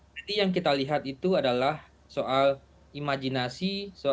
jadi yang kita lihat itu adalah soal imajinasi